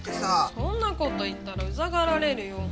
そんな事言ったらうざがられるよ。